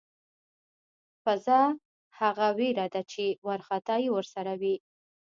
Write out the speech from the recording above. فذع هغه وېره ده چې وارخطایی ورسره وي.